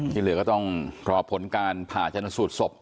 ที่เหลือก็ต้องรอผลการผ่าชนสูตรศพ